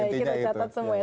kita catat semua ya